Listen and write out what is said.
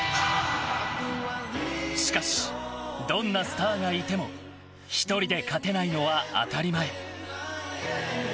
しかし、どんなスターがいても１人で勝てないのは当たり前。